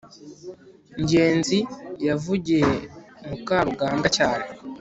ngenzi yavugiye mukarugambwa cyane